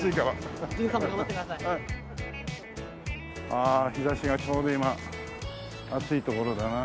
ああ日差しがちょうど今暑いところだな。